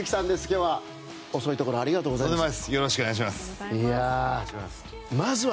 今日は遅いところありがとうございます。